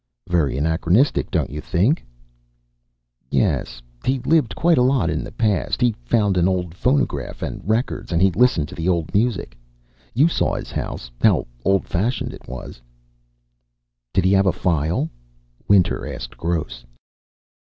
"Very anachronistic, don't you think?" "Yes, he lived quite a lot in the past. He found an old phonograph and records, and he listened to the old music. You saw his house, how old fashioned it was." "Did he have a file?" Winter asked Gross.